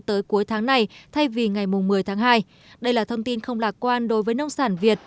tới cuối tháng này thay vì ngày một mươi tháng hai đây là thông tin không lạc quan đối với nông sản việt